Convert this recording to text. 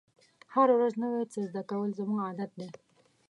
هره ورځ نوی څه زده کول زموږ عادت دی.